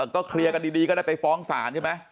ก็เคลียร์กันดีก็ได้ไปฟ้องศาลใช่ไหม